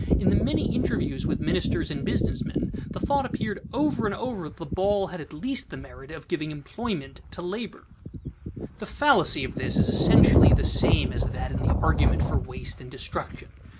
In the many interviews with ministers and business men, the thought appeared over and over that the ball had at least the merit of giving employment to labor. [Sidenote: The fallacy of luxury] The fallacy of this is essentially the same as that in the argument for waste and destruction.